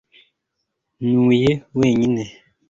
Ntuye wenyine